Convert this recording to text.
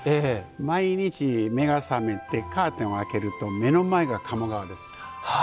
毎日、目が覚めてカーテンを開けると目の前が鴨川です。